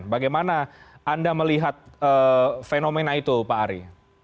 bagaimana anda melihat fenomena itu pak ari